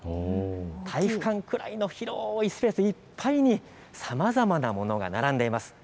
体育館くらいの広い施設いっぱいにさまざまなものが並んでいます。